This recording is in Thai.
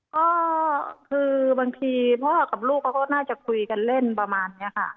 ก็คือบางทีพ่อกับลูกเขาก็น่าจะคุยกันเล่นประมาณนี้ค่ะ